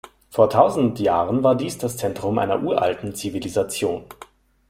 Vor tausend Jahren war dies das Zentrum einer uralten Zivilisation.